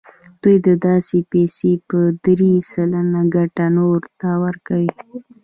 دوی دا پیسې په درې سلنه ګټه نورو ته ورکوي